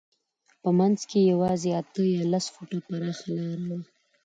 په منځ کې یې یوازې اته یا لس فوټه پراخه لاره وه.